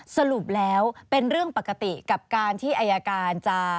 สรุปแล้วเป็นเรื่องปกติกับการที่อายการจะ